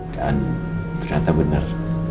dan ternyata bener